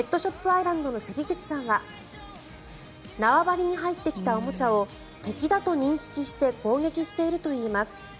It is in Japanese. アイランドの関口さんは縄張りに入ってきたおもちゃを敵だと認識して攻撃しているといいます。